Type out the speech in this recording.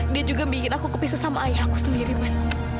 dia juga bikin aku kepisah sama ayah aku sendiri ban